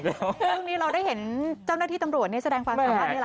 พรุ่งนี้เราได้เห็นเจ้าหน้าที่ตำรวจเนี่ยแสดงความสำหรับในหลายด้าน